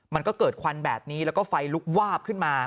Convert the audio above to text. มันก็เกิดควันแบบนี้แล้วก็ไฟลุกวาบขึ้นมา